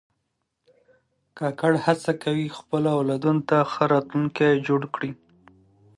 کاکړي هڅه کوي خپلو اولادونو ته ښه راتلونکی جوړ کړي.